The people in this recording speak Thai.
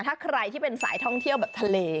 ถ้าใครที่เป็นสายท่องเที่ยวแบบทะเล